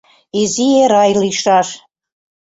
Изи Эрай лийшаш!